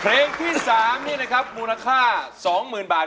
เพลงที่๓มูลค่า๒๐๐๐๐บาท